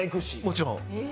もちろん。